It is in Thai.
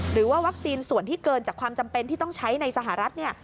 หรือว่าวัคซีนส่วนที่เกินจากความจำเป็นที่ต้องใช้ในสหรัฐ